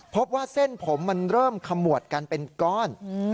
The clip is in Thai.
พบว่าเส้นผมมันเริ่มขมวดกันเป็นก้อน